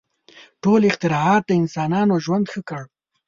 • ټول اختراعات د انسانانو ژوند ښه کړ.